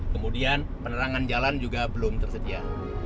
kemudian penerangan jalan juga belum tersedia